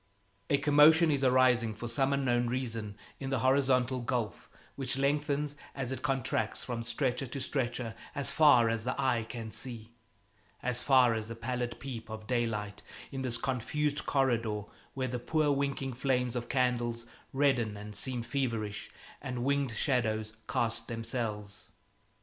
A commotion is arising for some unknown reason in the horizontal gulf which lengthens as it contracts from stretcher to stretcher as far as the eye can see, as far as the pallid peep of daylight, in this confused corridor where the poor winking flames of candles redden and seem feverish, and winged shadows cast themselves.